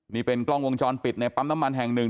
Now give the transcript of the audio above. นี่เป็นกล้องวงจรปิดในปั๊มน้ำมันแห่งหนึ่ง